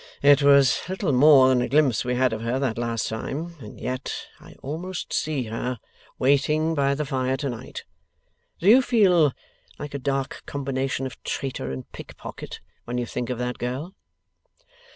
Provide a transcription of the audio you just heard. It was little more than a glimpse we had of her that last time, and yet I almost see her waiting by the fire to night. Do you feel like a dark combination of traitor and pickpocket when you think of that girl?